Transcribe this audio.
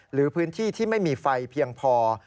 หรือพื้นที่ที่ไม่มีไฟเพียงพอ